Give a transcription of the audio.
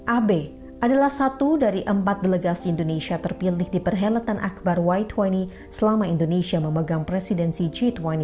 abe adalah satu dari empat delegasi indonesia terpilih di perhelatan akbar y dua puluh selama indonesia memegang presidensi g dua puluh